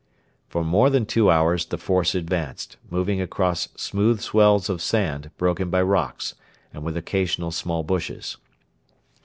For more than two hours the force advanced, moving across smooth swells of sand broken by rocks and with occasional small bushes.